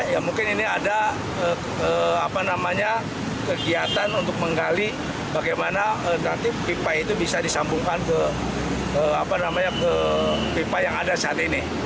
ya mungkin ini ada kegiatan untuk menggali bagaimana nanti pipa itu bisa disambungkan ke pipa yang ada saat ini